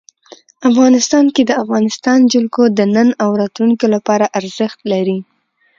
افغانستان کې د افغانستان جلکو د نن او راتلونکي لپاره ارزښت لري.